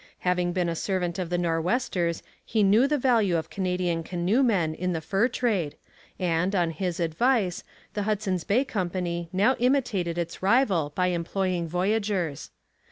Having been a servant of the Nor'westers he knew the value of Canadian canoemen in the fur trade, and, on his advice, the Hudson's Bay Company now imitated its rival by employing voyageurs.